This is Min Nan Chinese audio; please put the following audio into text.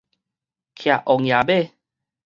騎王爺馬